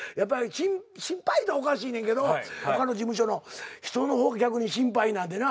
心配って言ったらおかしいねんけど他の事務所の人の方が逆に心配なんでな。